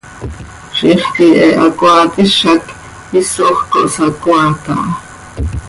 Ziix quih he hacoaat hizac hisoj cohsacoaat aha.